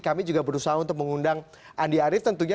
kami juga berusaha untuk mengundang andi arief tentunya